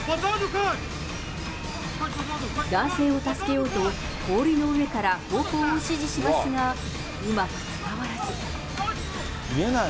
男性を助けようと、氷の上から方向を指示しますが、うまく伝わらず。